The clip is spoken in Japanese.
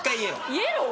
イエロー？